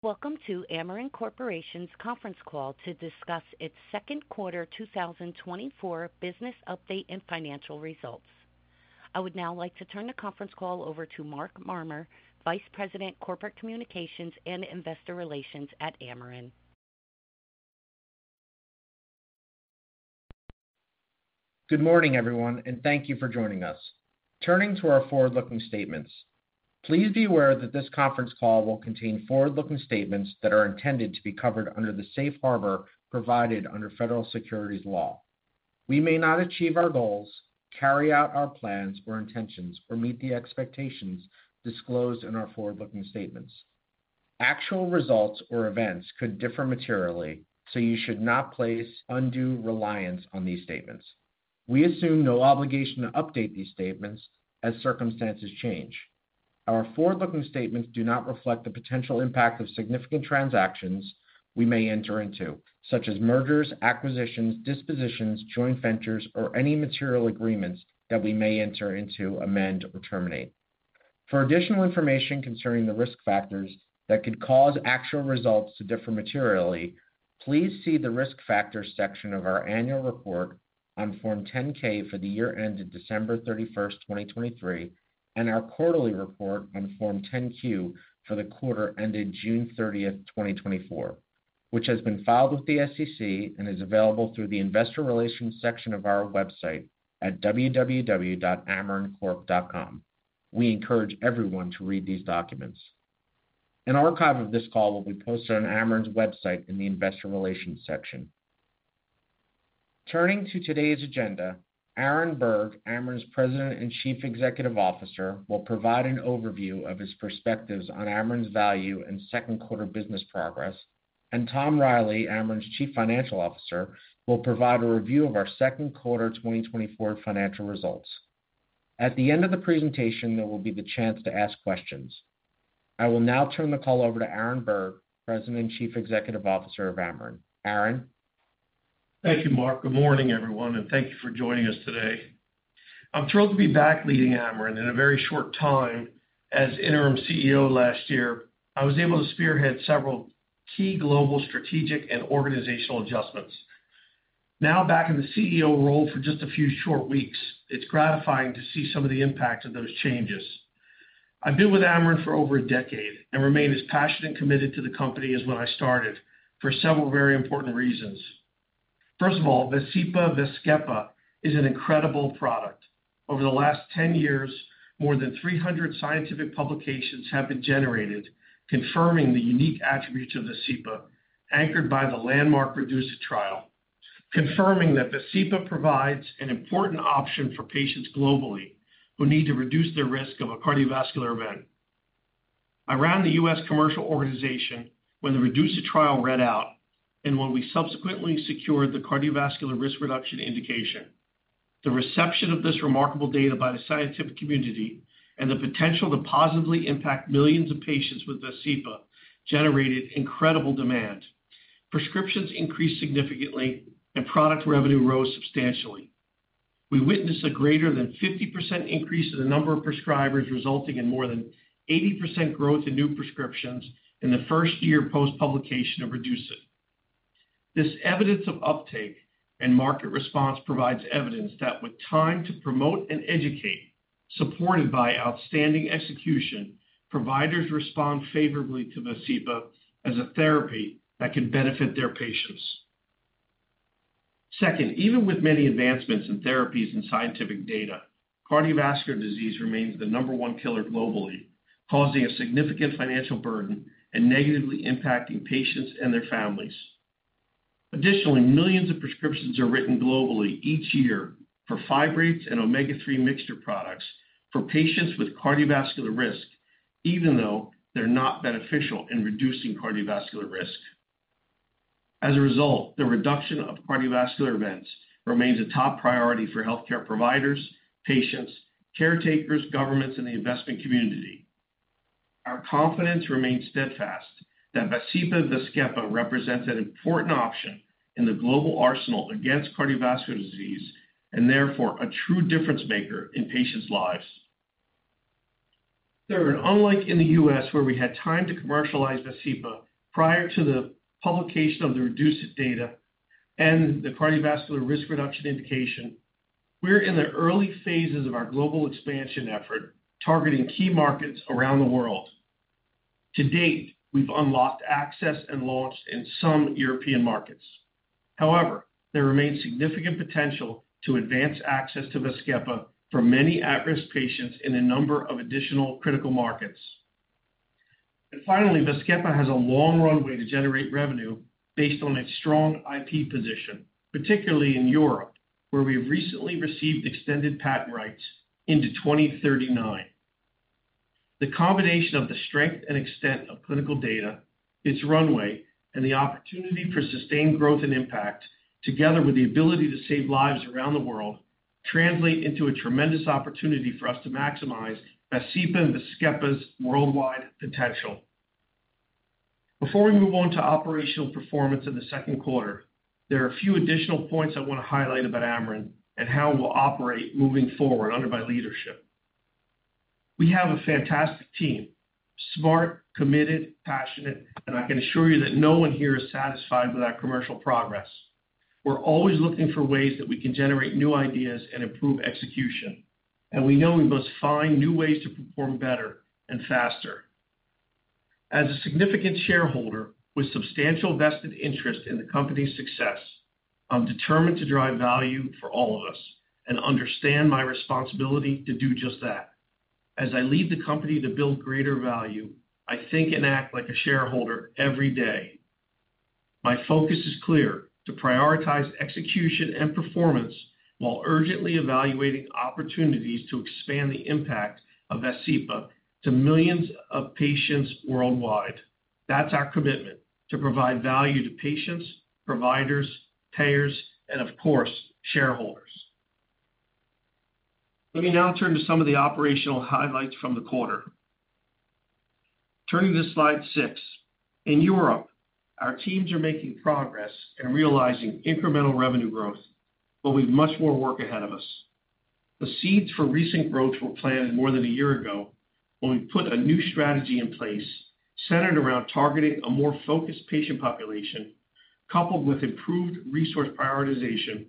Welcome to Amarin Corporation's conference call to discuss its second quarter 2024 business update and financial results. I would now like to turn the conference call over to Mark Marmur, Vice President, Corporate Communications and Investor Relations at Amarin. Good morning, everyone, and thank you for joining us. Turning to our forward-looking statements, please be aware that this conference call will contain forward-looking statements that are intended to be covered under the safe harbor provided under federal securities law. We may not achieve our goals, carry out our plans or intentions, or meet the expectations disclosed in our forward-looking statements. Actual results or events could differ materially, so you should not place undue reliance on these statements. We assume no obligation to update these statements as circumstances change. Our forward-looking statements do not reflect the potential impact of significant transactions we may enter into, such as mergers, acquisitions, dispositions, joint ventures, or any material agreements that we may enter into, amend, or terminate. For additional information concerning the risk factors that could cause actual results to differ materially, please see the risk factors section of our annual report on Form 10-K for the year ended December 31st, 2023, and our quarterly report on Form 10-Q for the quarter ended June 30th, 2024, which has been filed with the SEC and is available through the investor relations section of our website at www.amarincorp.com. We encourage everyone to read these documents. An archive of this call will be posted on Amarin's website in the investor relations section. Turning to today's agenda, Aaron Berg, Amarin's President and Chief Executive Officer, will provide an overview of his perspectives on Amarin's value and second quarter business progress, and Tom Reilly, Amarin's Chief Financial Officer, will provide a review of our second quarter 2024 financial results. At the end of the presentation, there will be the chance to ask questions. I will now turn the call over to Aaron Berg, President and Chief Executive Officer of Amarin. Aaron? Thank you, Mark. Good morning, everyone, and thank you for joining us today. I'm thrilled to be back leading Amarin in a very short time. As interim CEO last year, I was able to spearhead several key global strategic and organizational adjustments. Now, back in the CEO role for just a few short weeks, it's gratifying to see some of the impact of those changes. I've been with Amarin for over a decade and remained as passionate and committed to the company as when I started for several very important reasons. First of all, VASCEPA/VAZKEPA is an incredible product. Over the last 10 years, more than 300 scientific publications have been generated confirming the unique attributes of VASCEPA, anchored by the landmark REDUCE-IT trial, confirming that VASCEPA provides an important option for patients globally who need to reduce their risk of a cardiovascular event. Around the US commercial organization, when the REDUCE-IT read out and when we subsequently secured the cardiovascular risk reduction indication, the reception of this remarkable data by the scientific community and the potential to positively impact millions of patients with VASCEPA generated incredible demand. Prescriptions increased significantly, and product revenue rose substantially. We witnessed a greater than 50% increase in the number of prescribers, resulting in more than 80% growth in new prescriptions in the first year post-publication of REDUCE-IT. This evidence of uptake and market response provides evidence that with time to promote and educate, supported by outstanding execution, providers respond favorably to VASCEPA as a therapy that can benefit their patients. Second, even with many advancements in therapies and scientific data, cardiovascular disease remains the number one killer globally, causing a significant financial burden and negatively impacting patients and their families. Additionally, millions of prescriptions are written globally each year for fibrates and omega-3 mixture products for patients with cardiovascular risk, even though they're not beneficial in reducing cardiovascular risk. As a result, the reduction of cardiovascular events remains a top priority for healthcare providers, patients, caretakers, governments, and the investment community. Our confidence remains steadfast that VASCEPA/VAZKEPA represents an important option in the global arsenal against cardiovascular disease and therefore a true difference maker in patients lives. Third, unlike in the U.S., where we had time to commercialize VASCEPA prior to the publication of the REDUCE-IT data and the cardiovascular risk reduction indication, we're in the early phases of our global expansion effort targeting key markets around the world. To date, we've unlocked access and launched in some European markets. However, there remains significant potential to advance access to VAZKEPA for many at-risk patients in a number of additional critical markets. And finally, VAZKEPA has a long runway to generate revenue based on its strong IP position, particularly in Europe, where we have recently received extended patent rights into 2039. The combination of the strength and extent of clinical data, its runway, and the opportunity for sustained growth and impact, together with the ability to save lives around the world, translates into a tremendous opportunity for us to maximize VASCEPA/VAZKEPA's worldwide potential. Before we move on to operational performance in the second quarter, there are a few additional points I want to highlight about Amarin and how we'll operate moving forward under my leadership. We have a fantastic team, smart, committed, passionate, and I can assure you that no one here is satisfied with our commercial progress. We're always looking for ways that we can generate new ideas and improve execution, and we know we must find new ways to perform better and faster. As a significant shareholder with substantial vested interest in the company's success, I'm determined to drive value for all of us and understand my responsibility to do just that. As I lead the company to build greater value, I think and act like a shareholder every day. My focus is clear: to prioritize execution and performance while urgently evaluating opportunities to expand the impact of VASCEPA to millions of patients worldwide. That's our commitment: to provide value to patients, providers, payers, and of course, shareholders. Let me now turn to some of the operational highlights from the quarter. Turning to slide six, in Europe, our teams are making progress and realizing incremental revenue growth, but we have much more work ahead of us. The seeds for recent growth were planted more than a year ago when we put a new strategy in place centered around targeting a more focused patient population, coupled with improved resource prioritization,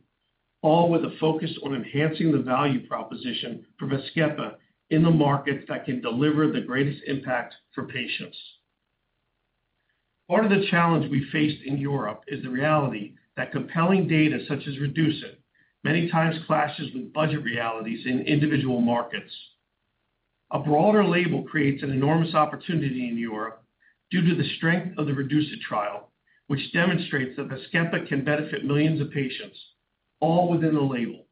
all with a focus on enhancing the value proposition for VAZKEPA in the markets that can deliver the greatest impact for patients. Part of the challenge we faced in Europe is the reality that compelling data such as REDUCE-IT many times clashes with budget realities in individual markets. A broader label creates an enormous opportunity in Europe due to the strength of the REDUCE-IT trial, which demonstrates that VAZKEPA can benefit millions of patients, all within the label.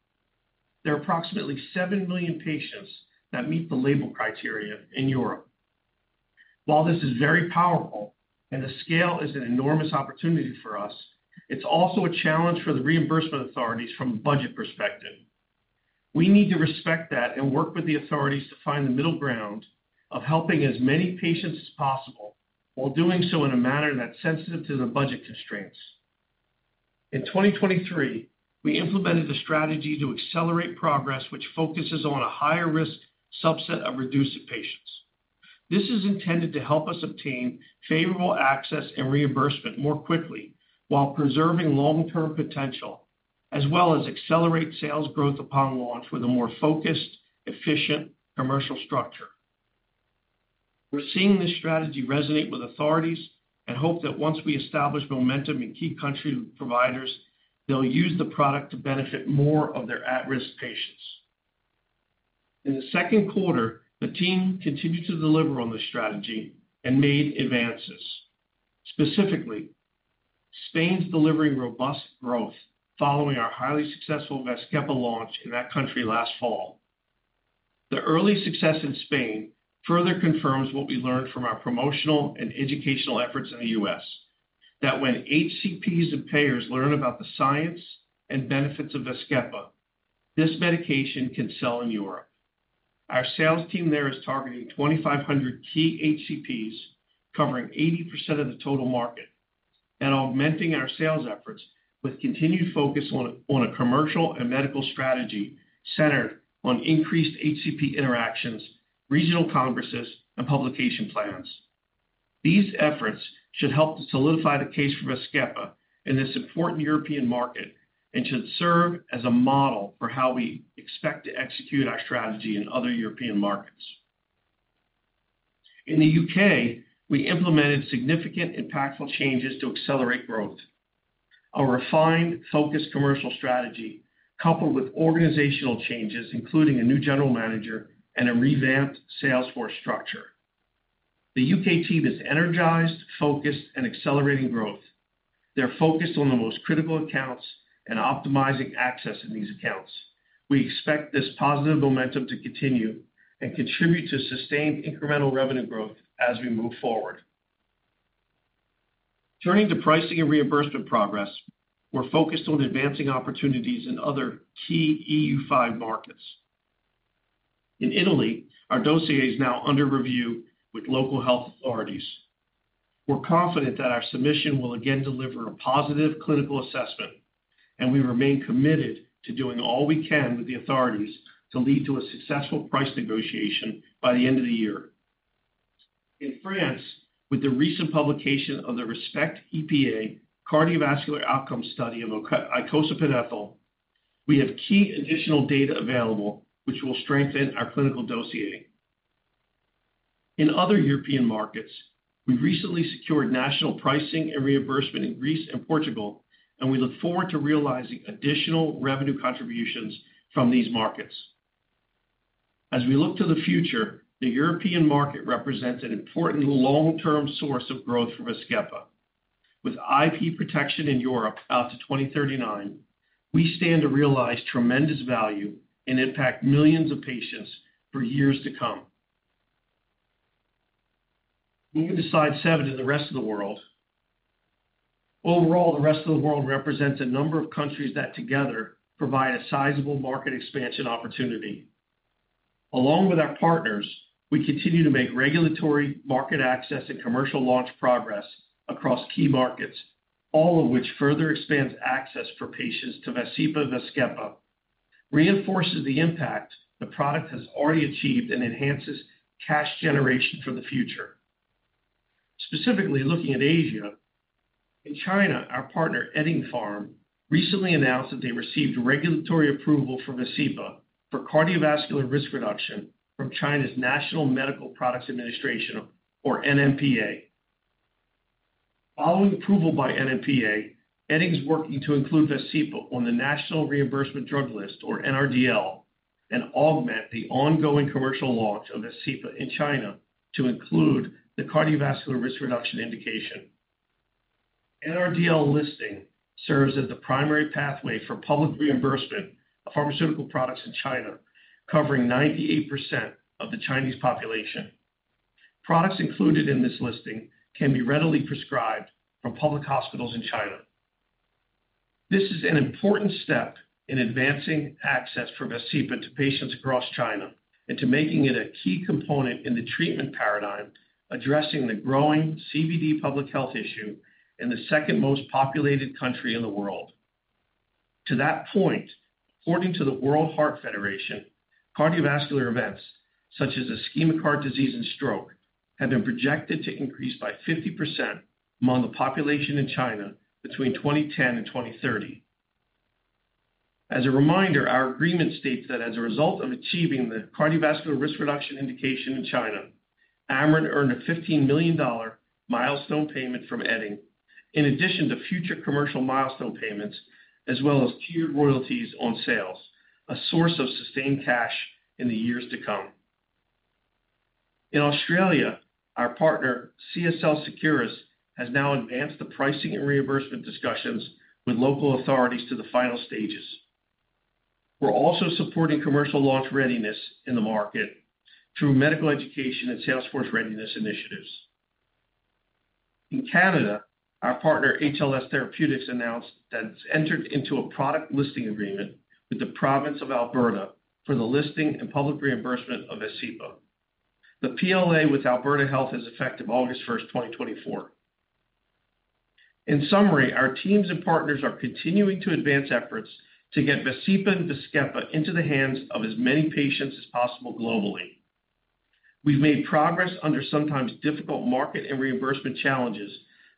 There are approximately 7 million patients that meet the label criteria in Europe. While this is very powerful and the scale is an enormous opportunity for us, it's also a challenge for the reimbursement authorities from a budget perspective. We need to respect that and work with the authorities to find the middle ground of helping as many patients as possible while doing so in a manner that's sensitive to the budget constraints. In 2023, we implemented a strategy to accelerate progress, which focuses on a higher risk subset of REDUCE-IT patients. This is intended to help us obtain favorable access and reimbursement more quickly while preserving long-term potential, as well as accelerate sales growth upon launch with a more focused, efficient commercial structure. We're seeing this strategy resonate with authorities and hope that once we establish momentum in key country providers, they'll use the product to benefit more of their at-risk patients. In the second quarter, the team continued to deliver on this strategy and made advances. Specifically, Spain's delivering robust growth following our highly successful VAZKEPA launch in that country last fall. The early success in Spain further confirms what we learned from our promotional and educational efforts in the U.S. That when HCPs and payers learn about the science and benefits of VAZKEPA, this medication can sell in Europe. Our sales team there is targeting 2,500 key HCPs, covering 80% of the total market, and augmenting our sales efforts with continued focus on a commercial and medical strategy centered on increased HCP interactions, regional congresses, and publication plans. These efforts should help to solidify the case for VAZKEPA in this important European market and should serve as a model for how we expect to execute our strategy in other European markets. In the U.K., we implemented significant, impactful changes to accelerate growth. A refined, focused commercial strategy coupled with organizational changes, including a new general manager and a revamped sales force structure. The UK team is energized, focused, and accelerating growth. They're focused on the most critical accounts and optimizing access in these accounts. We expect this positive momentum to continue and contribute to sustained incremental revenue growth as we move forward. Turning to pricing and reimbursement progress, we're focused on advancing opportunities in other key EU-5 markets. In Italy, our dossier is now under review with local health authorities. We're confident that our submission will again deliver a positive clinical assessment, and we remain committed to doing all we can with the authorities to lead to a successful price negotiation by the end of the year. In France, with the recent publication of the RESPECT-EPA cardiovascular outcome study of icosapent ethyl, we have key additional data available, which will strengthen our clinical dossier. In other European markets, we recently secured national pricing and reimbursement in Greece and Portugal, and we look forward to realizing additional revenue contributions from these markets. As we look to the future, the European market represents an important long-term source of growth for VAZKEPA. With IP protection in Europe out to 2039, we stand to realize tremendous value and impact millions of patients for years to come. Moving to slide 7 in the rest of the world. Overall, the rest of the world represents a number of countries that together provide a sizable market expansion opportunity. Along with our partners, we continue to make regulatory market access and commercial launch progress across key markets, all of which further expands access for patients to VASCEPA/VAZKEPA, reinforces the impact the product has already achieved, and enhances cash generation for the future. Specifically looking at Asia, in China, our partner Eddingpharm recently announced that they received regulatory approval for VASCEPA for cardiovascular risk reduction from China's National Medical Products Administration, or NMPA. Following approval by NMPA, Edding's working to include VASCEPA on the National Reimbursement Drug List, or NRDL, and augment the ongoing commercial launch of VASCEPA in China to include the cardiovascular risk reduction indication. NRDL listing serves as the primary pathway for public reimbursement of pharmaceutical products in China, covering 98% of the Chinese population. Products included in this listing can be readily prescribed from public hospitals in China. This is an important step in advancing access for VASCEPA to patients across China and to making it a key component in the treatment paradigm addressing the growing CVD public health issue in the second most populated country in the world. To that point, according to the World Heart Federation, cardiovascular events such as ischemic heart disease and stroke have been projected to increase by 50% among the population in China between 2010 and 2030. As a reminder, our agreement states that as a result of achieving the cardiovascular risk reduction indication in China, Amarin earned a $15 million milestone payment from Edding, in addition to future commercial milestone payments, as well as tiered royalties on sales, a source of sustained cash in the years to come. In Australia, our partner CSL Seqirus has now advanced the pricing and reimbursement discussions with local authorities to the final stages. We're also supporting commercial launch readiness in the market through medical education and sales force readiness initiatives. In Canada, our partner HLS Therapeutics announced that it's entered into a product listing agreement with the province of Alberta for the listing and public reimbursement of VASCEPA. The PLA with Alberta Health is effective August 1st, 2024. In summary, our teams and partners are continuing to advance efforts to get VASCEPA and VAZKEPA into the hands of as many patients as possible globally. We've made progress under sometimes difficult market and reimbursement challenges,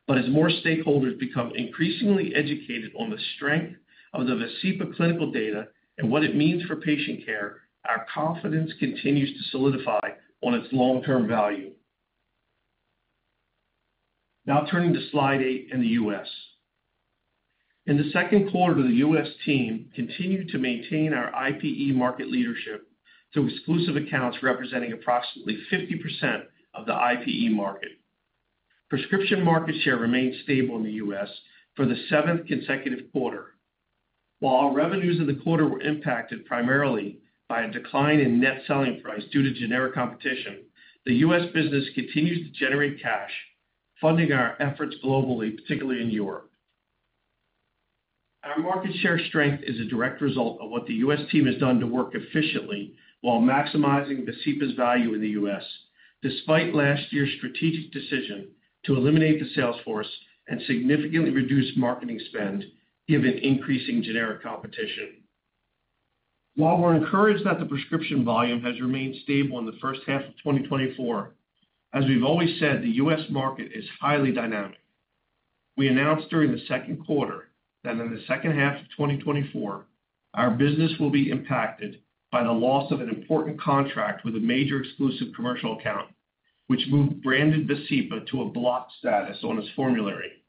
but as more stakeholders become increasingly educated on the strength of the VASCEPA clinical data and what it means for patient care, our confidence continues to solidify on its long-term value. Now turning to slide eight in the U.S. In the second quarter, the US team continued to maintain our IPE market leadership through exclusive accounts representing approximately 50% of the IPE market. Prescription market share remained stable in the U.S. for the seventh consecutive quarter. While our revenues in the quarter were impacted primarily by a decline in net selling price due to generic competition, the US business continues to generate cash, funding our efforts globally, particularly in Europe. Our market share strength is a direct result of what the US team has done to work efficiently while maximizing VASCEPA's value in the U.S., despite last year's strategic decision to eliminate the sales force and significantly reduce marketing spend given increasing generic competition. While we're encouraged that the prescription volume has remained stable in the first half of 2024, as we've always said, the US market is highly dynamic. We announced during the second quarter that in the second half of 2024, our business will be impacted by the loss of an important contract with a major exclusive commercial account, which moved branded VASCEPA to a block status on its formulary.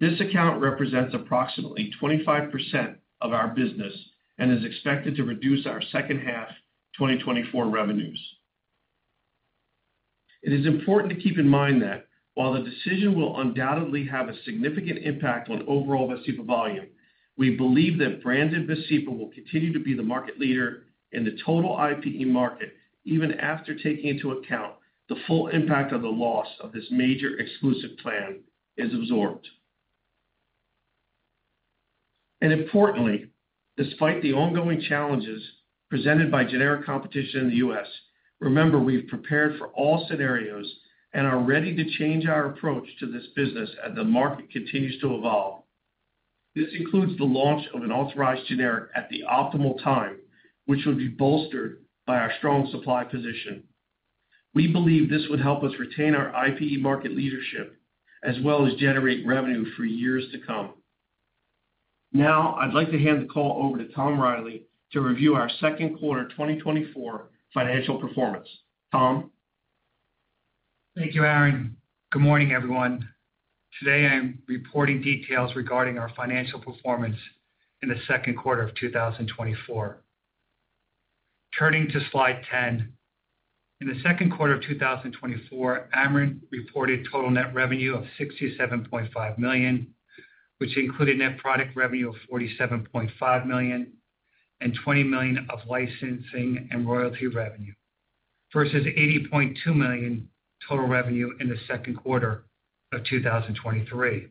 This account represents approximately 25% of our business and is expected to reduce our second half 2024 revenues. It is important to keep in mind that while the decision will undoubtedly have a significant impact on overall VASCEPA volume, we believe that branded VASCEPA will continue to be the market leader in the total IPE market, even after taking into account the full impact of the loss of this major exclusive plan is absorbed. Importantly, despite the ongoing challenges presented by generic competition in the U.S., remember we've prepared for all scenarios and are ready to change our approach to this business as the market continues to evolve. This includes the launch of an authorized generic at the optimal time, which will be bolstered by our strong supply position. We believe this would help us retain our IPE market leadership, as well as generate revenue for years to come. Now, I'd like to hand the call over to Tom Reilly to review our second quarter 2024 financial performance. Tom. Thank you, Aaron. Good morning, everyone. Today, I'm reporting details regarding our financial performance in the second quarter of 2024. Turning to slide 10, in the second quarter of 2024, Amarin reported total net revenue of $67.5 million, which included net product revenue of $47.5 million and $20 million of licensing and royalty revenue, versus $80.2 million total revenue in the second quarter of 2023.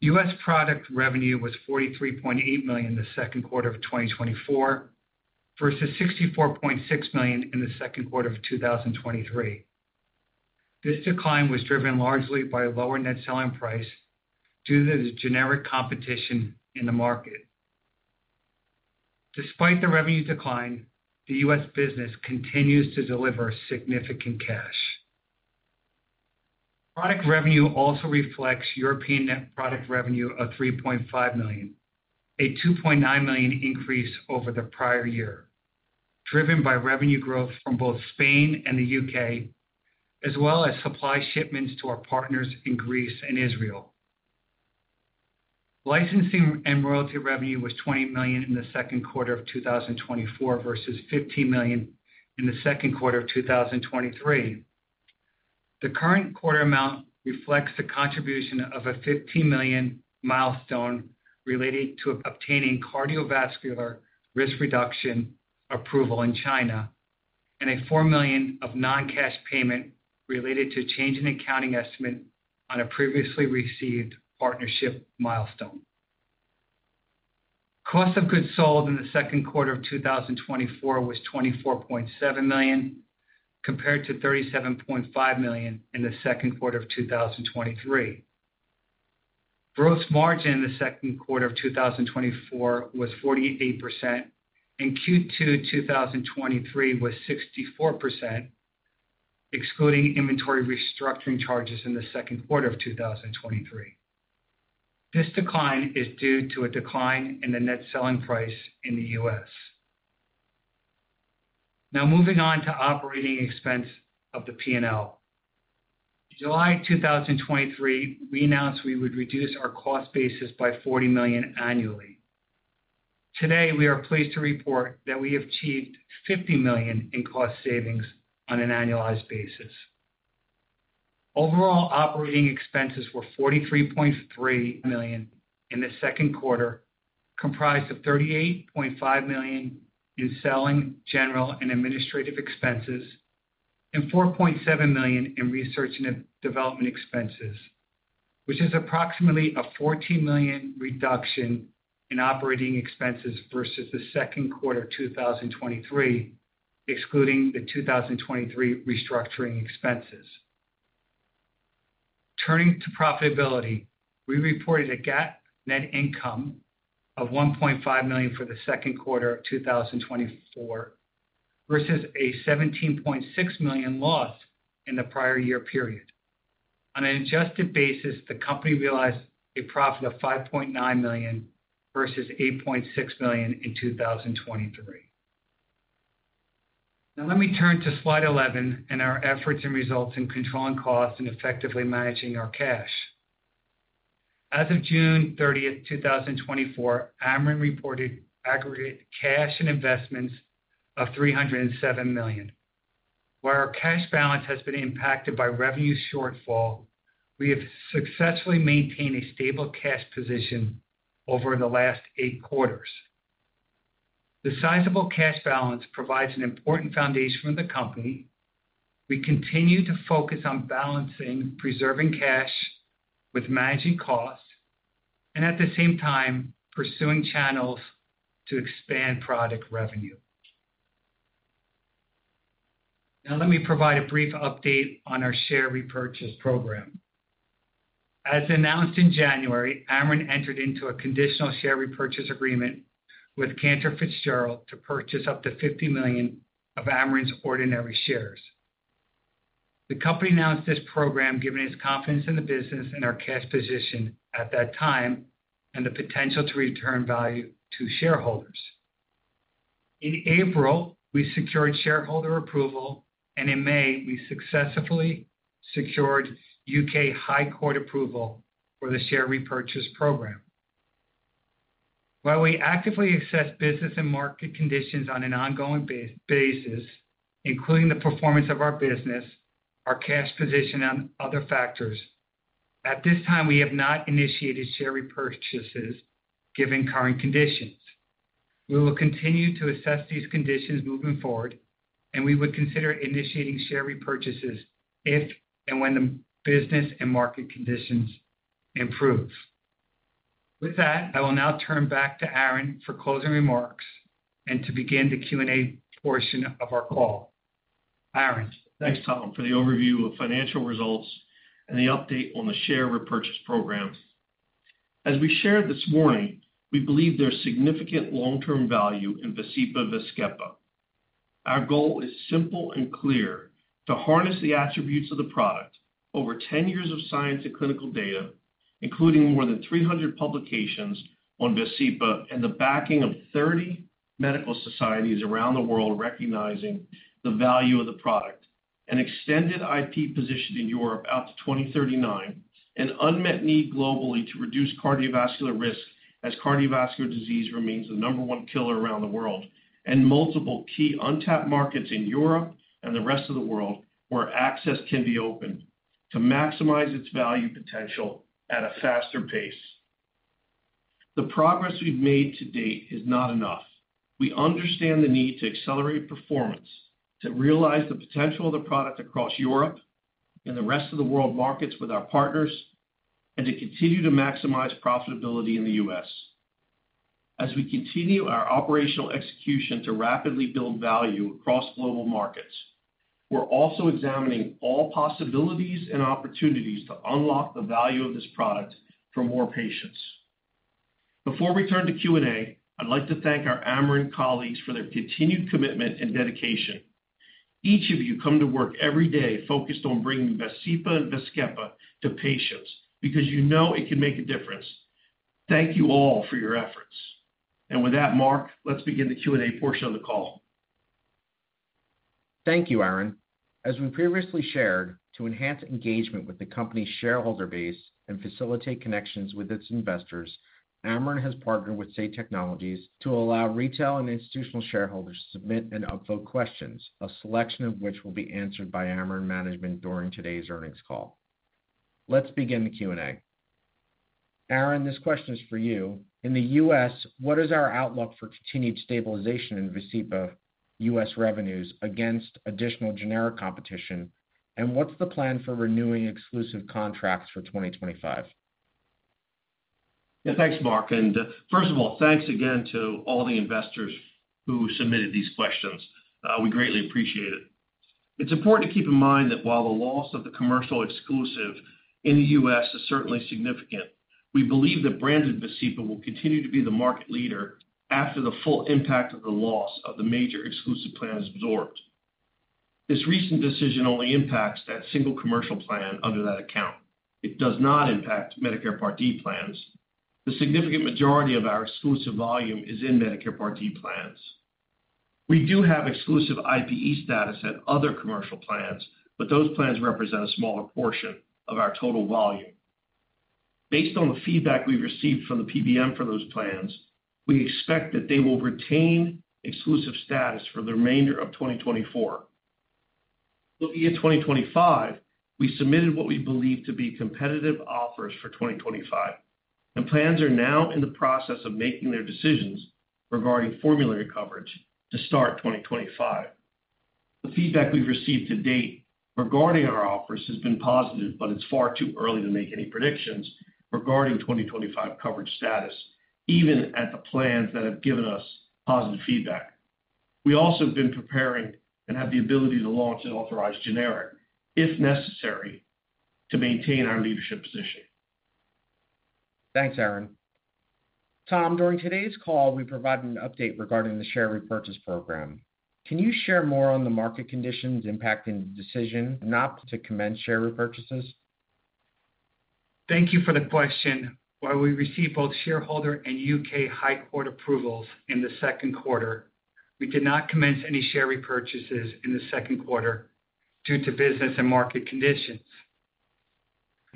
US product revenue was $43.8 million in the second quarter of 2024, versus $64.6 million in the second quarter of 2023. This decline was driven largely by a lower net selling price due to the generic competition in the market. Despite the revenue decline, the US business continues to deliver significant cash. Product revenue also reflects European net product revenue of $3.5 million, a $2.9 million increase over the prior year, driven by revenue growth from both Spain and the U.K., as well as supply shipments to our partners in Greece and Israel. Licensing and royalty revenue was $20 million in the second quarter of 2024, versus $15 million in the second quarter of 2023. The current quarter amount reflects the contribution of a $15 million milestone related to obtaining cardiovascular risk reduction approval in China, and a $4 million of non-cash payment related to a change in accounting estimate on a previously received partnership milestone. Cost of goods sold in the second quarter of 2024 was $24.7 million, compared to $37.5 million in the second quarter of 2023. Gross margin in the second quarter of 2024 was 48%, and Q2 2023 was 64%, excluding inventory restructuring charges in the second quarter of 2023. This decline is due to a decline in the net selling price in the U.S. Now, moving on to operating expense of the P&L. In July 2023, we announced we would reduce our cost basis by $40 million annually. Today, we are pleased to report that we have achieved $50 million in cost savings on an annualized basis. Overall operating expenses were $43.3 million in the second quarter, comprised of $38.5 million in selling, general, and administrative expenses, and $4.7 million in research and development expenses, which is approximately a $14 million reduction in operating expenses versus the second quarter of 2023, excluding the 2023 restructuring expenses. Turning to profitability, we reported a net income of $1.5 million for the second quarter of 2024, versus a $17.6 million loss in the prior year period. On an adjusted basis, the company realized a profit of $5.9 million versus $8.6 million in 2023. Now, let me turn to slide 11 and our efforts and results in controlling costs and effectively managing our cash. As of June 30th, 2024, Amarin reported aggregate cash and investments of $307 million. While our cash balance has been impacted by revenue shortfall, we have successfully maintained a stable cash position over the last eight quarters. The sizable cash balance provides an important foundation for the company. We continue to focus on balancing preserving cash with managing costs, and at the same time, pursuing channels to expand product revenue. Now, let me provide a brief update on our share repurchase program. As announced in January, Amarin entered into a conditional share repurchase agreement with Cantor Fitzgerald to purchase up to $50 million of Amarin's ordinary shares. The company announced this program given its confidence in the business and our cash position at that time, and the potential to return value to shareholders. In April, we secured shareholder approval, and in May, we successfully secured U.K. High Court approval for the share repurchase program. While we actively assess business and market conditions on an ongoing basis, including the performance of our business, our cash position, and other factors, at this time, we have not initiated share repurchases given current conditions. We will continue to assess these conditions moving forward, and we would consider initiating share repurchases if and when the business and market conditions improve. With that, I will now turn back to Aaron for closing remarks and to begin the Q&A portion of our call. Aaron. Thanks, Tom, for the overview of financial results and the update on the share repurchase program. As we shared this morning, we believe there is significant long-term value in VASCEPA/VAZKEPA. Our goal is simple and clear: to harness the attributes of the product over 10 years of science and clinical data, including more than 300 publications on VASCEPA, and the backing of 30 medical societies around the world recognizing the value of the product, an extended IP position in Europe out to 2039, an unmet need globally to reduce cardiovascular risk as cardiovascular disease remains the number one killer around the world, and multiple key untapped markets in Europe and the rest of the world where access can be opened to maximize its value potential at a faster pace. The progress we've made to date is not enough. We understand the need to accelerate performance, to realize the potential of the product across Europe and the rest of the world markets with our partners, and to continue to maximize profitability in the U.S. As we continue our operational execution to rapidly build value across global markets, we're also examining all possibilities and opportunities to unlock the value of this product for more patients. Before we turn to Q&A, I'd like to thank our Amarin colleagues for their continued commitment and dedication. Each of you come to work every day focused on bringing VASCEPA/VAZKEPA to patients because you know it can make a difference. Thank you all for your efforts. And with that, Mark, let's begin the Q&A portion of the call. Thank you, Aaron. As we previously shared, to enhance engagement with the company's shareholder base and facilitate connections with its investors, Amarin has partnered with Say Technologies to allow retail and institutional shareholders to submit and upvote questions, a selection of which will be answered by Amarin Management during today's earnings call. Let's begin the Q&A. Aaron, this question is for you. In the U.S., what is our outlook for continued stabilization in VASCEPA US revenues against additional generic competition, and what's the plan for renewing exclusive contracts for 2025? Yeah, thanks, Mark. And first of all, thanks again to all the investors who submitted these questions. We greatly appreciate it. It's important to keep in mind that while the loss of the commercial exclusive in the U.S. is certainly significant, we believe that branded VASCEPA will continue to be the market leader after the full impact of the loss of the major exclusive plan is absorbed. This recent decision only impacts that single commercial plan under that account. It does not impact Medicare Part D plans. The significant majority of our exclusive volume is in Medicare Part D plans. We do have exclusive IPE status at other commercial plans, but those plans represent a smaller portion of our total volume. Based on the feedback we've received from the PBM for those plans, we expect that they will retain exclusive status for the remainder of 2024. Looking at 2025, we submitted what we believe to be competitive offers for 2025, and plans are now in the process of making their decisions regarding formulary coverage to start 2025. The feedback we've received to date regarding our offers has been positive, but it's far too early to make any predictions regarding 2025 coverage status, even at the plans that have given us positive feedback. We also have been preparing and have the ability to launch an authorized generic, if necessary, to maintain our leadership position. Thanks, Aaron. Tom, during today's call, we provided an update regarding the share repurchase program. Can you share more on the market conditions impacting the decision not to commence share repurchases? Thank you for the question. While we received both shareholder and U.K. High Court approvals in the second quarter, we did not commence any share repurchases in the second quarter due to business and market conditions.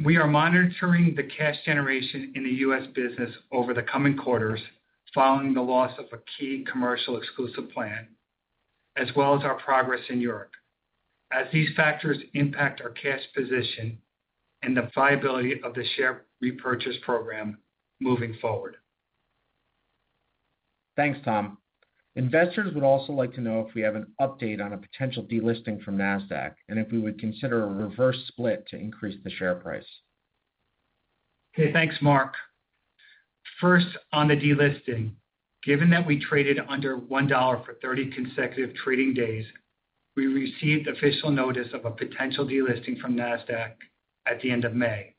We are monitoring the cash generation in the US business over the coming quarters following the loss of a key commercial exclusive plan, as well as our progress in Europe, as these factors impact our cash position and the viability of the share repurchase program moving forward. Thanks, Tom. Investors would also like to know if we have an update on a potential delisting from NASDAQ and if we would consider a reverse split to increase the share price. Okay, thanks, Mark. First, on the delisting, given that we traded under $1 for 30 consecutive trading days, we received official notice of a potential delisting from NASDAQ at the end of May.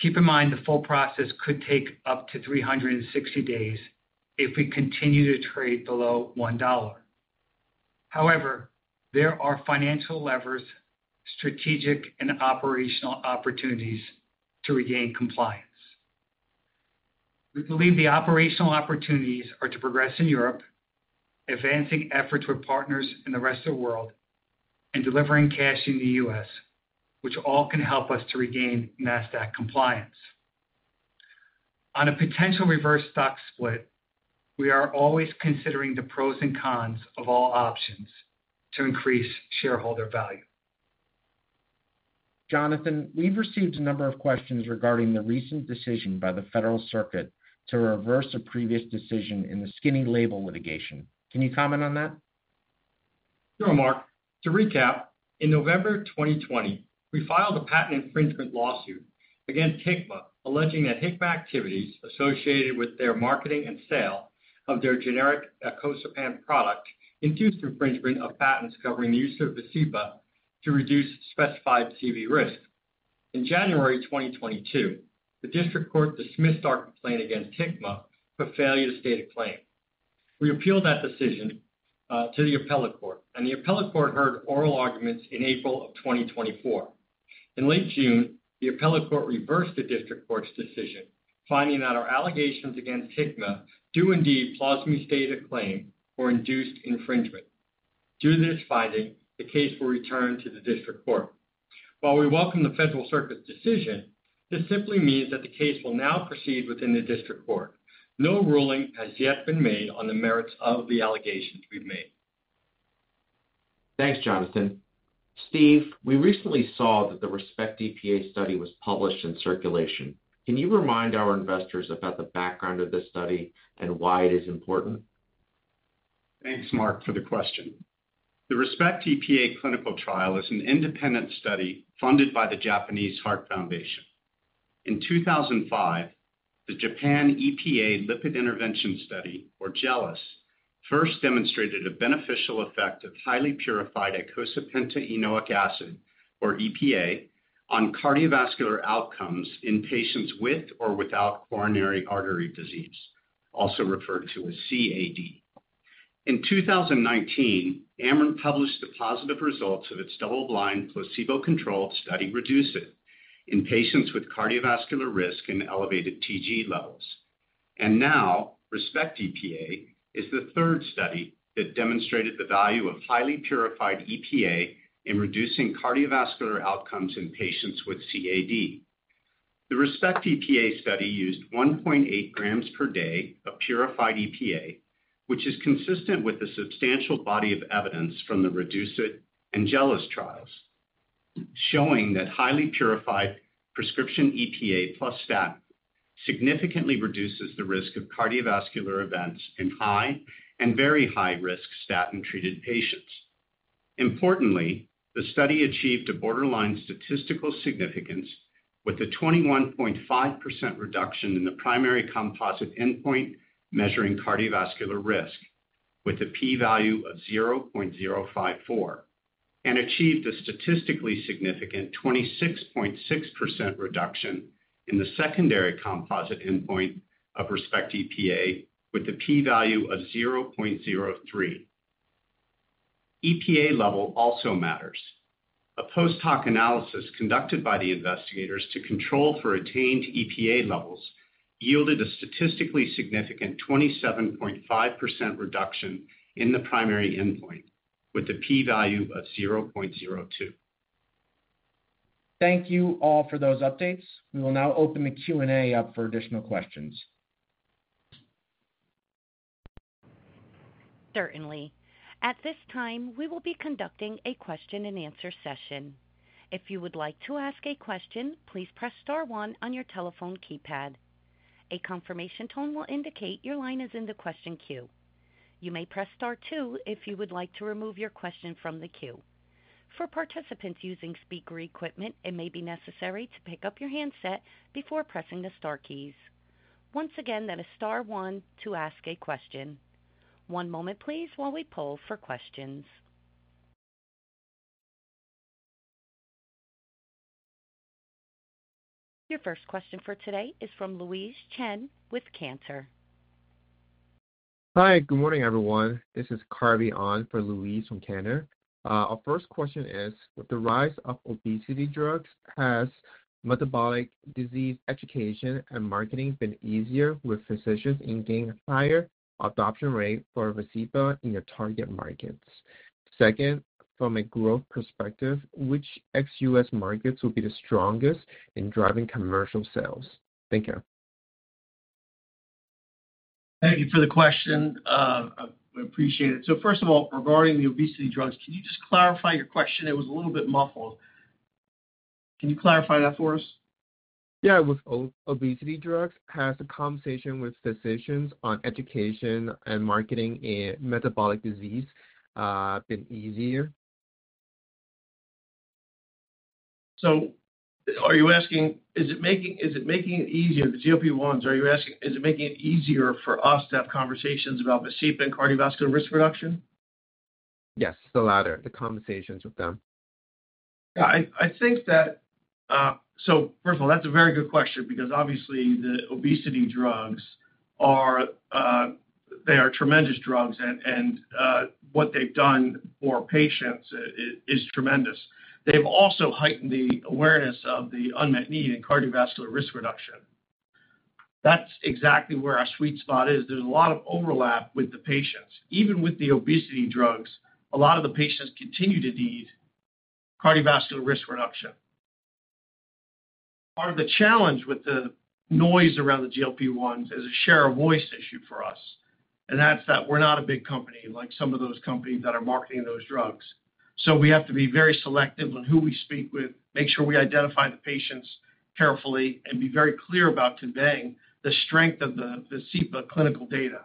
Keep in mind the full process could take up to 360 days if we continue to trade below $1. However, there are financial levers, strategic, and operational opportunities to regain compliance. We believe the operational opportunities are to progress in Europe, advancing efforts with partners in the rest of the world, and delivering cash in the U.S., which all can help us to regain NASDAQ compliance. On a potential reverse stock split, we are always considering the pros and cons of all options to increase shareholder value. Jonathan, we've received a number of questions regarding the recent decision by the Federal Circuit to reverse a previous decision in the Skinny Label litigation. Can you comment on that? Sure, Mark. To recap, in November 2020, we filed a patent infringement lawsuit against Hikma, alleging that Hikma activities associated with their marketing and sale of their generic icosapent ethyl product induced infringement of patents covering the use of VASCEPA to reduce specified CV risk. In January 2022, the District Court dismissed our complaint against Hikma for failure to state a claim. We appealed that decision to the appellate court, and the appellate court heard oral arguments in April of 2024. In late June, the appellate court reversed the district court's decision, finding that our allegations against Hikma do indeed plausibly state a claim for induced infringement. Due to this finding, the case will return to the district court. While we welcome the Federal Circuit's decision, this simply means that the case will now proceed within the district court. No ruling has yet been made on the merits of the allegations we've made. Thanks, Jonathan. Steve, we recently saw that the RESPECT-EPA study was published in Circulation. Can you remind our investors about the background of this study and why it is important? Thanks, Mark, for the question. The RESPECT-EPA clinical trial is an independent study funded by the Japanese Heart Foundation. In 2005, the Japan EPA Lipid Intervention Study, or JELIS, first demonstrated a beneficial effect of highly purified eicosapentaenoic acid, or EPA, on cardiovascular outcomes in patients with or without coronary artery disease, also referred to as CAD. In 2019, Amarin published the positive results of its double-blind placebo-controlled study, REDUCE-IT, in patients with cardiovascular risk and elevated TG levels. And now, RESPECT-EPA is the third study that demonstrated the value of highly purified EPA in reducing cardiovascular outcomes in patients with CAD. The RESPECT-EPA study used 1.8 grams per day of purified EPA, which is consistent with the substantial body of evidence from the REDUCE-IT and JELIS trials, showing that highly purified prescription EPA plus statin significantly reduces the risk of cardiovascular events in high and very high-risk statin-treated patients. Importantly, the study achieved a borderline statistical significance with a 21.5% reduction in the primary composite endpoint measuring cardiovascular risk, with a p-value of 0.054, and achieved a statistically significant 26.6% reduction in the secondary composite endpoint of RESPECT-EPA, with a p-value of 0.03. EPA level also matters. A post-hoc analysis conducted by the investigators to control for retained EPA levels yielded a statistically significant 27.5% reduction in the primary endpoint, with a p-value of 0.02. Thank you all for those updates. We will now open the Q&A up for additional questions. Certainly. At this time, we will be conducting a question-and-answer session. If you would like to ask a question, please press star one on your telephone keypad. A confirmation tone will indicate your line is in the question queue. You may press star two if you would like to remove your question from the queue. For participants using speaker equipment, it may be necessary to pick up your handset before pressing the star keys. Once again, that is star one to ask a question. One moment, please, while we pull for questions. Your first question for today is from Louise Chen with Cantor. Hi, good morning, everyone. This is Carvey on for Louise from Cantor. Our first question is, with the rise of obesity drugs, has metabolic disease education and marketing been easier with physicians in gaining a higher adoption rate for VASCEPA in your target markets? Second, from a growth perspective, which ex-US markets will be the strongest in driving commercial sales? Thank you. Thank you for the question. We appreciate it. So first of all, regarding the obesity drugs, can you just clarify your question? It was a little bit muffled. Can you clarify that for us? Yeah, with obesity drugs, has the conversation with physicians on education and marketing in metabolic disease been easier? So are you asking, is it making it easier? The GLP-1s, are you asking, is it making it easier for us to have conversations about VASCEPA and cardiovascular risk reduction? Yes, the latter, the conversations with them. Yeah, I think that, so first of all, that's a very good question because obviously the obesity drugs, they are tremendous drugs, and what they've done for patients is tremendous. They've also heightened the awareness of the unmet need in cardiovascular risk reduction. That's exactly where our sweet spot is. There's a lot of overlap with the patients. Even with the obesity drugs, a lot of the patients continue to need cardiovascular risk reduction. Part of the challenge with the noise around the GLP-1s is a share of voice issue for us. And that's that we're not a big company like some of those companies that are marketing those drugs. So we have to be very selective on who we speak with, make sure we identify the patients carefully, and be very clear about conveying the strength of the VASCEPA clinical data.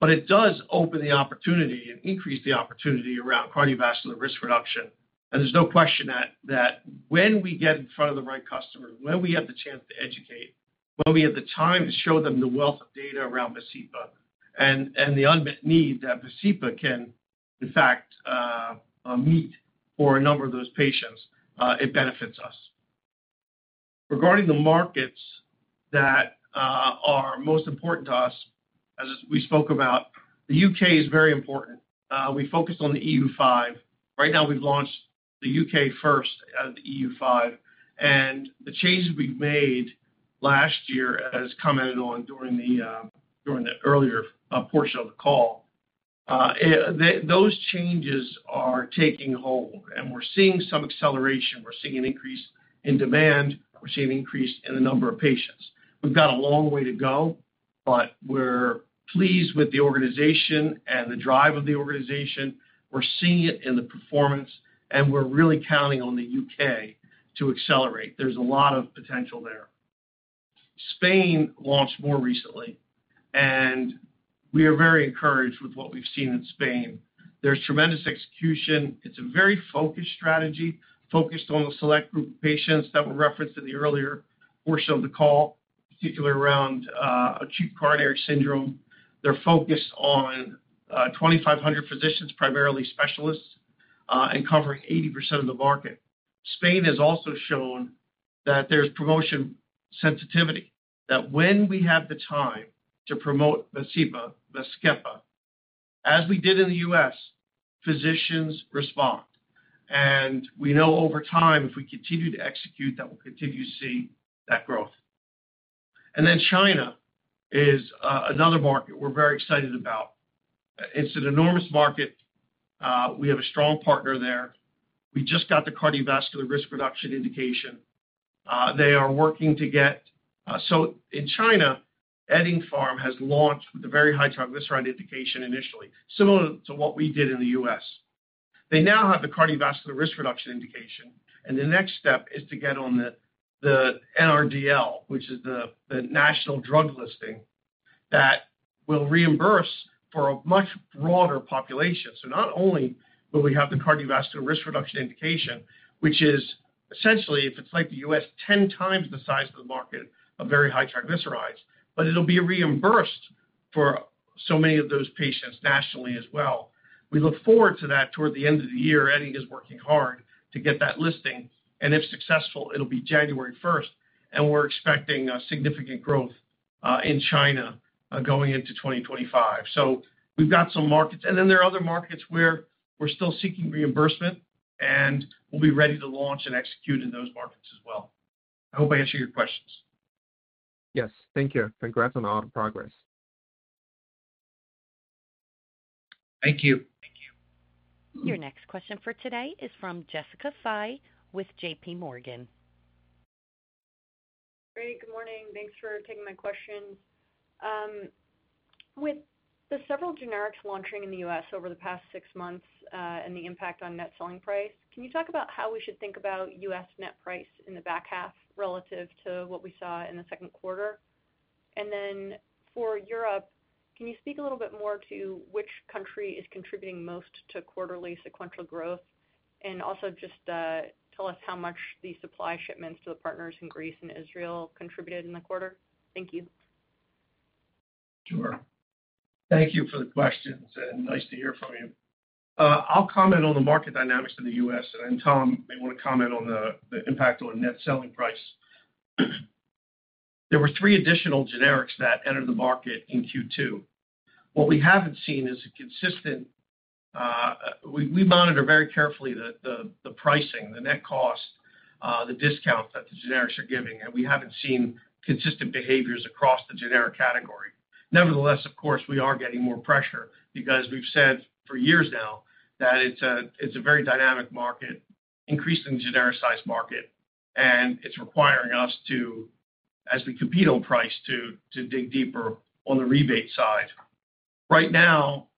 But it does open the opportunity and increase the opportunity around cardiovascular risk reduction. There's no question that when we get in front of the right customers, when we have the chance to educate, when we have the time to show them the wealth of data around VASCEPA and the unmet need that VASCEPA can, in fact, meet for a number of those patients, it benefits us. Regarding the markets that are most important to us, as we spoke about, the U.K. is very important. We focused on the EU-5. Right now, we've launched the U.K. first as the EU-5. The changes we've made last year, as commented on during the earlier portion of the call, those changes are taking hold. We're seeing some acceleration. We're seeing an increase in demand. We're seeing an increase in the number of patients. We've got a long way to go, but we're pleased with the organization and the drive of the organization. We're seeing it in the performance, and we're really counting on the U.K. to accelerate. There's a lot of potential there. Spain launched more recently, and we are very encouraged with what we've seen in Spain. There's tremendous execution. It's a very focused strategy, focused on the select group of patients that were referenced in the earlier portion of the call, particularly around acute coronary syndrome. They're focused on 2,500 physicians, primarily specialists, and covering 80% of the market. Spain has also shown that there's promotion sensitivity, that when we have the time to promote VASCEPA/VAZKEPA, as we did in the U.S., physicians respond. And we know over time, if we continue to execute, that we'll continue to see that growth. And then China is another market we're very excited about. It's an enormous market. We have a strong partner there. We just got the cardiovascular risk reduction indication. They are working to get so in China, Eddingpharm has launched with a very high triglyceride indication initially, similar to what we did in the U.S. They now have the cardiovascular risk reduction indication, and the next step is to get on the NRDL, which is the National Reimbursement Drug List, that will reimburse for a much broader population. So not only will we have the cardiovascular risk reduction indication, which is essentially, if it's like the U.S., 10x the size of the market of very high triglycerides, but it'll be reimbursed for so many of those patients nationally as well. We look forward to that toward the end of the year. Edding is working hard to get that listing. And if successful, it'll be January 1st, and we're expecting significant growth in China going into 2025. So we've got some markets. And then there are other markets where we're still seeking reimbursement, and we'll be ready to launch and execute in those markets as well. I hope I answered your questions. Yes, thank you. Congrats on all the progress. Thank you. Thank you. Your next question for today is from Jessica Fye with JPMorgan. Great. Good morning. Thanks for taking my questions. With the several generics launching in the U.S. over the past six months and the impact on net selling price, can you talk about how we should think about US net price in the back half relative to what we saw in the second quarter? And then for Europe, can you speak a little bit more to which country is contributing most to quarterly sequential growth? And also just tell us how much the supply shipments to the partners in Greece and Israel contributed in the quarter. Thank you. Sure. Thank you for the questions. And nice to hear from you. I'll comment on the market dynamics in the U.S., and then Tom may want to comment on the impact on net selling price. There were three additional generics that entered the market in Q2. What we haven't seen is a consistent we monitor very carefully the pricing, the net cost, the discount that the generics are giving, and we haven't seen consistent behaviors across the generic category. Nevertheless, of course, we are getting more pressure because we've said for years now that it's a very dynamic market, increasingly genericized market, and it's requiring us, as we compete on price, to dig deeper on the rebate side. Right now,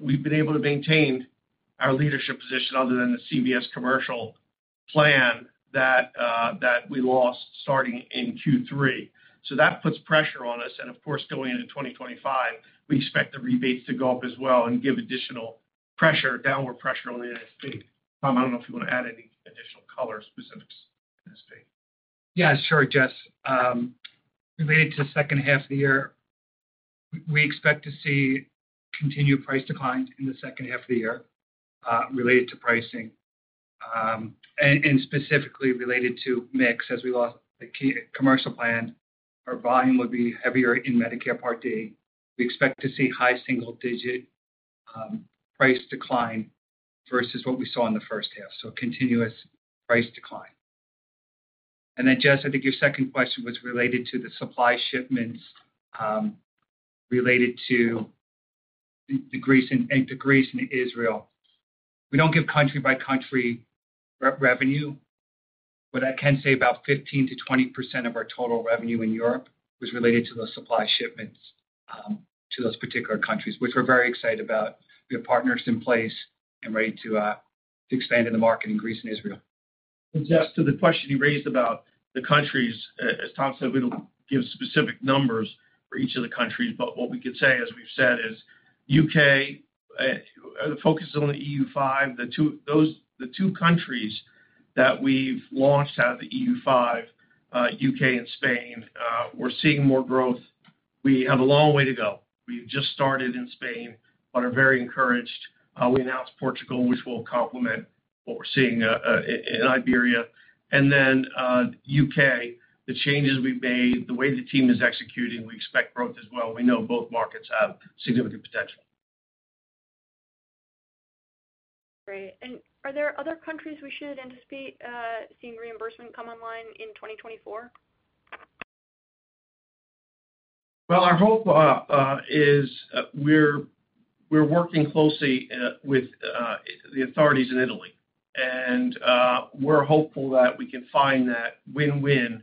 we've been able to maintain our leadership position other than the CVS commercial plan that we lost starting in Q3. So that puts pressure on us. Of course, going into 2025, we expect the rebates to go up as well and give additional pressure, downward pressure on the NSP. Tom, I don't know if you want to add any additional color specifics to NSP. Yeah, sure, Jess. Related to the second half of the year, we expect to see continued price declines in the second half of the year related to pricing and specifically related to mix. As we lost the commercial plan, our volume would be heavier in Medicare Part D. We expect to see high single-digit price decline versus what we saw in the first half. So continuous price decline. And then, Jess, I think your second question was related to the supply shipments related to Greece and Israel. We don't give country-by-country revenue, but I can say about 15%-20% of our total revenue in Europe was related to those supply shipments to those particular countries, which we're very excited about. We have partners in place and ready to expand in the market in Greece and Israel. And Jess, to the question you raised about the countries, as Tom said, we don't give specific numbers for each of the countries, but what we could say, as we've said, is UK, the focus is on the EU5. The two countries that we've launched out of the EU5, UK and Spain, we're seeing more growth. We have a long way to go. We've just started in Spain, but are very encouraged. We announced Portugal, which will complement what we're seeing in Iberia. And then UK, the changes we've made, the way the team is executing, we expect growth as well. We know both markets have significant potential. Great. And are there other countries we should anticipate seeing reimbursement come online in 2024? Well, our hope is we're working closely with the authorities in Italy, and we're hopeful that we can find that win-win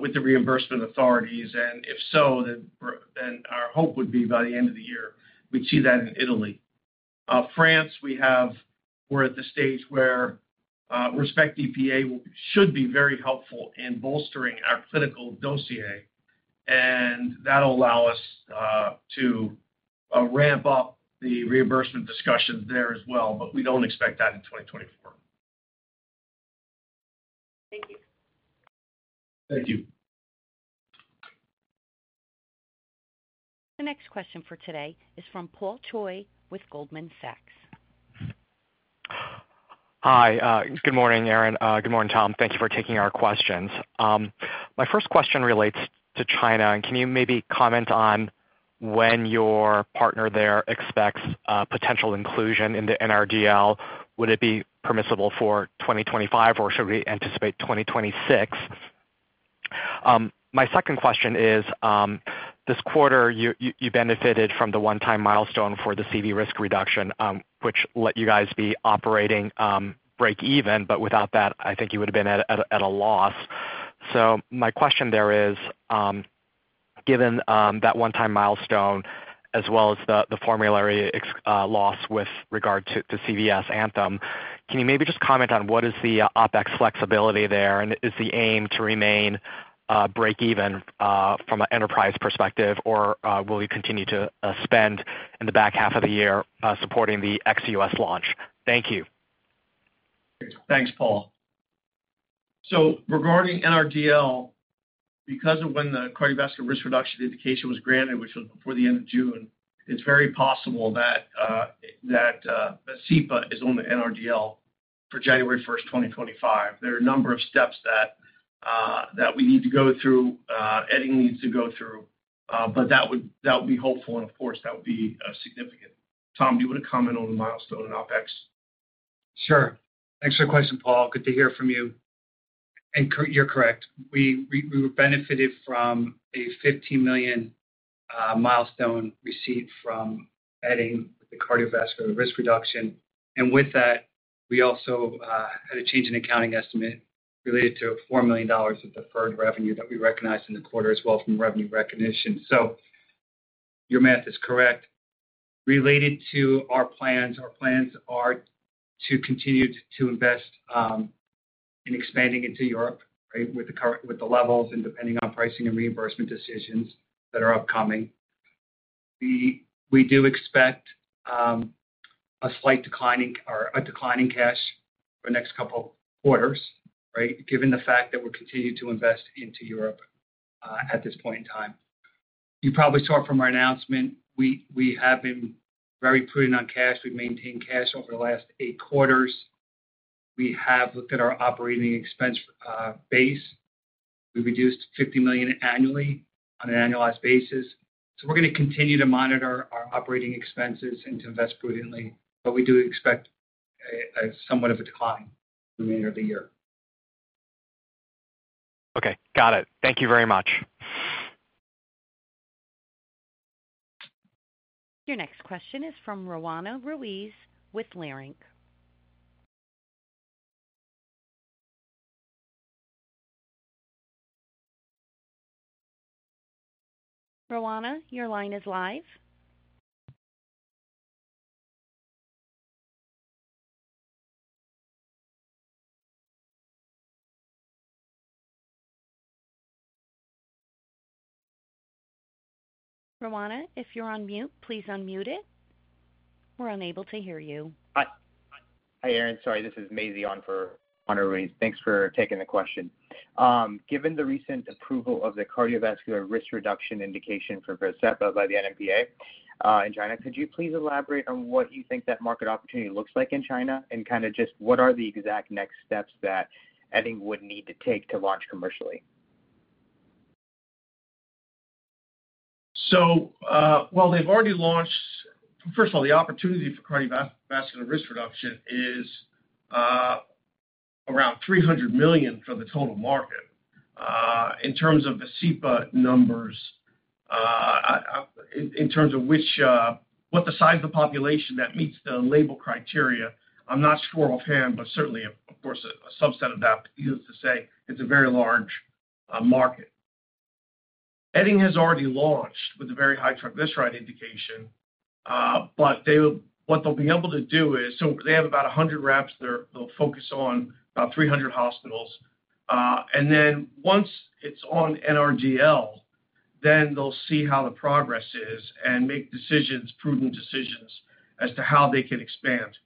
with the reimbursement authorities. And if so, then our hope would be by the end of the year, we'd see that in Italy. France, we're at the stage where RESPECT-EPA should be very helpful in bolstering our clinical dossier, and that'll allow us to ramp up the reimbursement discussions there as well. But we don't expect that in 2024. Thank you. Thank you. The next question for today is from Paul Choi with Goldman Sachs. Hi. Good morning, Aaron. Good morning, Tom. Thank you for taking our questions. My first question relates to China, and can you maybe comment on when your partner there expects potential inclusion in the NRDL? Would it be permissible for 2025, or should we anticipate 2026? My second question is, this quarter, you benefited from the one-time milestone for the CV risk reduction, which let you guys be operating break-even, but without that, I think you would have been at a loss. So my question there is, given that one-time milestone as well as the formulary loss with regard to CVS Anthem, can you maybe just comment on what is the OpEx flexibility there? And is the aim to remain break-even from an enterprise perspective, or will you continue to spend in the back half of the year supporting the ex-US launch? Thank you. Thanks, Paul. So regarding NRDL, because of when the cardiovascular risk reduction indication was granted, which was before the end of June, it's very possible that VASCEPA is on the NRDL for January 1st, 2025. There are a number of steps that we need to go through, Edding needs to go through, but that would be hopeful, and of course, that would be significant. Tom, do you want to comment on the milestone and OpEx? Sure. Thanks for the question, Paul. Good to hear from you. And you're correct. We were benefited from a $15 million milestone receipt from Edding with the cardiovascular risk reduction. And with that, we also had a change in accounting estimate related to $4 million of deferred revenue that we recognized in the quarter as well from revenue recognition. So your math is correct. Related to our plans, our plans are to continue to invest in expanding into Europe, right, with the levels and depending on pricing and reimbursement decisions that are upcoming. We do expect a slight decline in cash for the next couple of quarters, right, given the fact that we're continuing to invest into Europe at this point in time. You probably saw it from our announcement. We have been very prudent on cash. We've maintained cash over the last eight quarters. We have looked at our operating expense base. We reduced $50 million annually on an annualized basis. So we're going to continue to monitor our operating expenses and to invest prudently, but we do expect somewhat of a decline in the remainder of the year. Okay. Got it. Thank you very much. Your next question is from Roanna Ruiz with Leerink Partners. Roanna, your line is live. Roanna, if you're on mute, please unmute it. We're unable to hear you. Hi, Aaron. Sorry, this is Mazey on for Roanna Ruiz. Thanks for taking the question. Given the recent approval of the cardiovascular risk reduction indication for VASCEPA by the NMPA in China, could you please elaborate on what you think that market opportunity looks like in China and kind of just what are the exact next steps that Edding would need to take to launch commercially? So while they've already launched, first of all, the opportunity for cardiovascular risk reduction is around 300 million for the total market. In terms of VASCEPA numbers, in terms of what the size of the population that meets the label criteria, I'm not sure offhand, but certainly, of course, a subset of that is to say it's a very large market. Edding has already launched with a very high triglyceride indication, but what they'll be able to do is, so they have about 100 reps. They'll focus on about 300 hospitals. Then once it's on NRDL, then they'll see how the progress is and make prudent decisions as to how they can expand.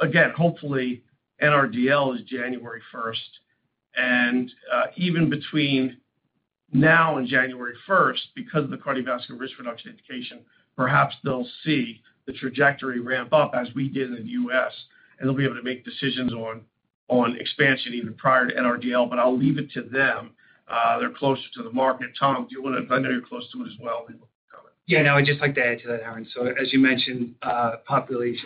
Again, hopefully, NRDL is January 1st. Even between now and January 1st, because of the cardiovascular risk reduction indication, perhaps they'll see the trajectory ramp up as we did in the U.S., and they'll be able to make decisions on expansion even prior to NRDL. But I'll leave it to them. They're closer to the market. Tom, do you want to, I know you're close to it as well. Yeah. No, I'd just like to add to that, Aaron. So as you mentioned, population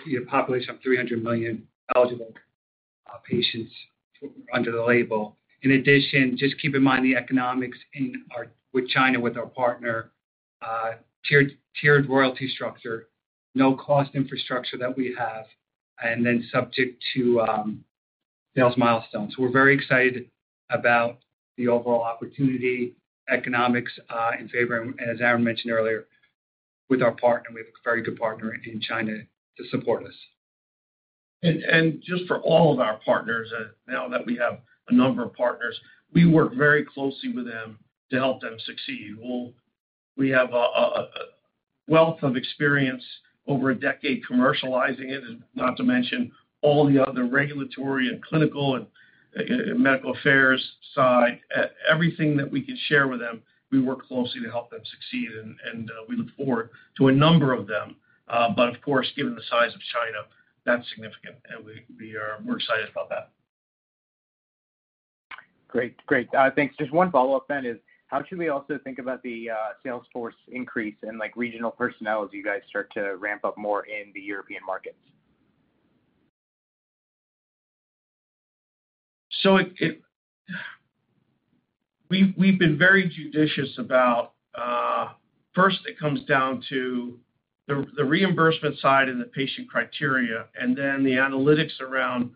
of 300 million eligible patients under the label. In addition, just keep in mind the economics with China, with our partner, tiered royalty structure, no-cost infrastructure that we have, and then subject to sales milestones. We're very excited about the overall opportunity, economics in favor, and as Aaron mentioned earlier, with our partner, we have a very good partner in China to support us. And just for all of our partners, now that we have a number of partners, we work very closely with them to help them succeed. We have a wealth of experience over a decade commercializing it, not to mention all the other regulatory and clinical and medical affairs side. Everything that we can share with them, we work closely to help them succeed, and we look forward to a number of them. But of course, given the size of China, that's significant, and we're excited about that. Great. Great. Thanks. Just one follow-up then is how should we also think about the sales force increase and regional personnel as you guys start to ramp up more in the European markets? So we've been very judicious about. First, it comes down to the reimbursement side and the patient criteria, and then the analytics around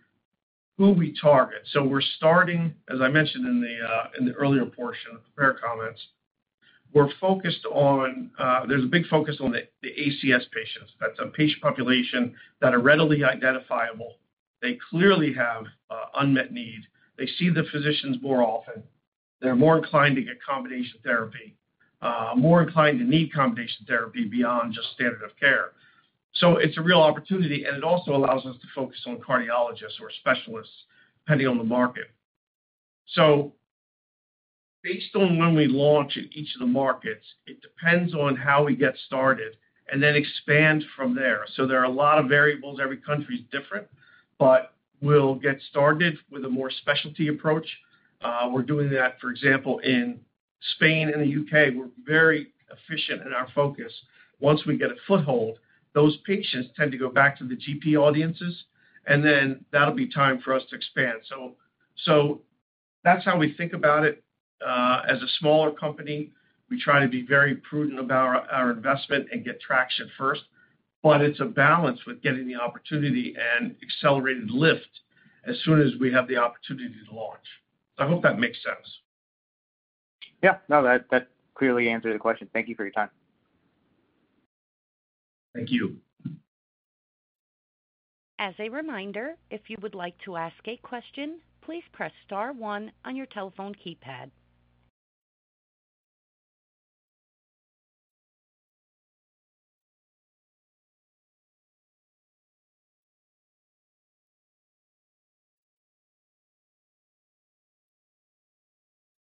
who we target. So we're starting, as I mentioned in the earlier portion, prepared comments. We're focused on. There's a big focus on the ACS patients. That's a patient population that are readily identifiable. They clearly have unmet need. They see the physicians more often. They're more inclined to get combination therapy, more inclined to need combination therapy beyond just standard of care. So it's a real opportunity, and it also allows us to focus on cardiologists or specialists depending on the market. So based on when we launch in each of the markets, it depends on how we get started and then expand from there. So there are a lot of variables. Every country is different, but we'll get started with a more specialty approach. We're doing that, for example, in Spain and the U.K. We're very efficient in our focus. Once we get a foothold, those patients tend to go back to the GP audiences, and then that'll be time for us to expand. So that's how we think about it. As a smaller company, we try to be very prudent about our investment and get traction first, but it's a balance with getting the opportunity and accelerated lift as soon as we have the opportunity to launch. So I hope that makes sense. Yeah. No, that clearly answered the question. Thank you for your time. Thank you. As a reminder, if you would like to ask a question, please press star one on your telephone keypad.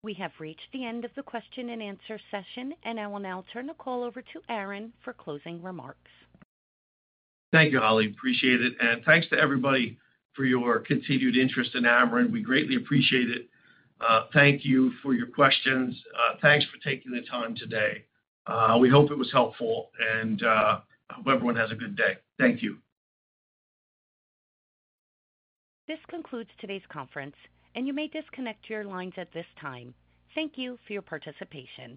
We have reached the end of the question and answer session, and I will now turn the call over to Aaron for closing remarks. Thank you, Holly. Appreciate it. Thanks to everybody for your continued interest in Amarin. We greatly appreciate it. Thank you for your questions. Thanks for taking the time today. We hope it was helpful, and I hope everyone has a good day. Thank you. This concludes today's conference, and you may disconnect your lines at this time. Thank you for your participation.